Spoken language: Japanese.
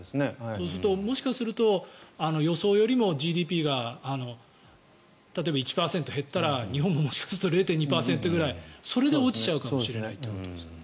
そうするともしかすると予想よりもＧＤＰが例えば、１％減ったら日本ももしかすると０．２％ぐらいそれで落ちちゃうかもしれないということです。